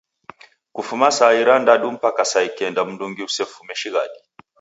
Kufuma saa irandadu mpaka saa ikenda mndungi usefume shighadi.